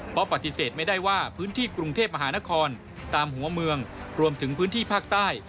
เพราะปฏิเสธไม่ได้ว่าพื้นที่กรุงเทพมหานครตามหัวเมืองรวมถึงพื้นที่ภาคใต้